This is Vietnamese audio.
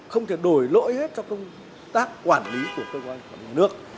không thể đổi lỗi hết trong công tác quản lý của cơ quan của nhà nước